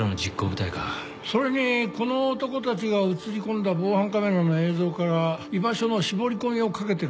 それにこの男たちが写りこんだ防犯カメラの映像から居場所の絞りこみをかけてるね。